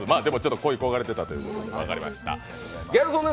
恋い焦がれていたということで、分かりました。